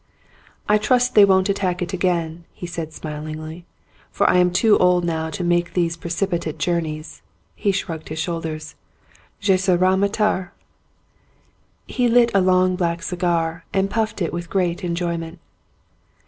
"I trust they won't attack it again," he said, smiling, "for I am too old now to make these pre cipitate journeys." He shrugged his shoulders: "Je serai martyr." He lit a long black cigar and puffed it with great enjoyment.